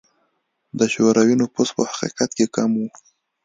د شوروي نفوس په حقیقت کې کم و.